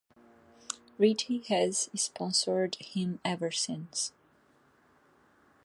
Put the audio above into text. Ritchey has sponsored him ever since.